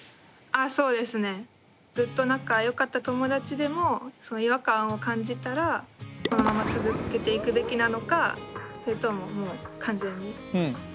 あそうですね。ずっと仲よかった友達でも違和感を感じたらこのまま続けていくべきなのかそれとももう完全に仲よくしなくていいのか。